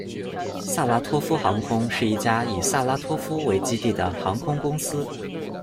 萨拉托夫航空是一家以萨拉托夫为基地的航空公司。